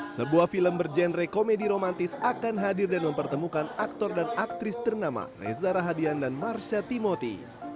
sebuah film berjenre komedi romantis akan hadir dan mempertemukan aktor dan aktris ternama reza rahadian dan marsha timoti